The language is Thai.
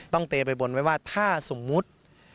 เตไปบนไว้ว่าถ้าสมมุติ